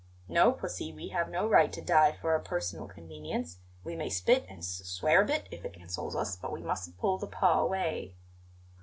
No, pussy, we have no right to die for our personal convenience. We may spit and s swear a bit, if it consoles us; but we mustn't pull the paw away."